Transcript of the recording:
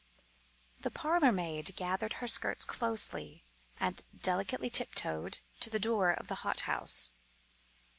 The parlourmaid gathered her skirts closely, and delicately tip toed to the door of the hothouse.